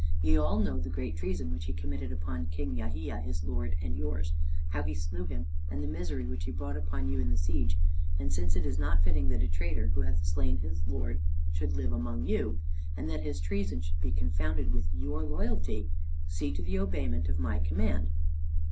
Ye all know the great treason which he committed upon King Yahia, his lord and yours, how he slew him, and the misery which he brought upon you in the siege; and since it is not fitting that a traitor who hath slain his lord should live among you, and that his treason should be confounded with your loyalty, see to the obeyment of my command."